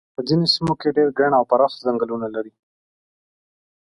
په ځینو سیمو کې ډېر ګڼ او پراخ څنګلونه لري.